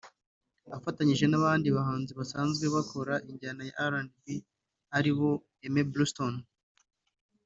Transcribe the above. afatanyije n'abandi bahanzi basanzwe bakora injyana ya RnB ari bo; Aime Bluestone